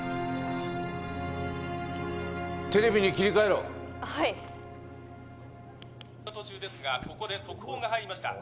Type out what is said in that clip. テレビに切り替えろはい途中ですがここで速報が入りました